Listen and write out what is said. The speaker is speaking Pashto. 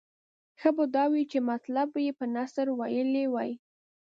ښه به دا وای چې مطلب یې په نثر ویلی وای.